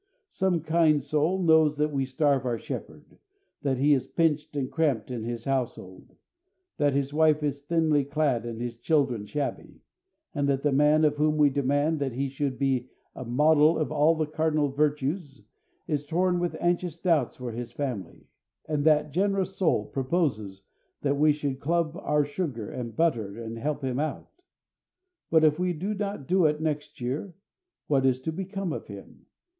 Some kind soul knows that we starve our shepherd, that he is pinched and cramped in his household, that his wife is thinly clad and his children shabby, and that the man of whom we demand that he should be a model of all the cardinal virtues is torn with anxious doubts for his family; and that generous soul proposes that we should club our sugar and butter and help him out. If we do not do it next year, what is to become of him?